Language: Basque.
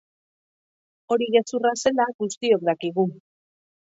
Hori gezurra zela guztiok dakigu.